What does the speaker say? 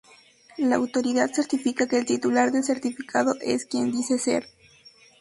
La autoridad certifica que el titular del certificado es quien dice ser.